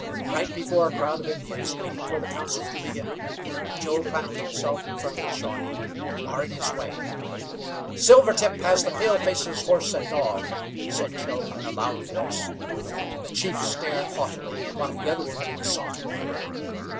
Right before a crowd of Indians waiting for the council to begin, Joe planted himself in front of the Shawnee, barring his way. "Silvertip has the paleface's horse and dog," said Joe, in a loud voice. The chief stared haughtily while the other Indians sauntered nearer.